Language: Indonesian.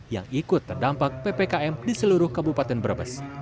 yang ikut terdampak ppkm di seluruh kabupaten brebes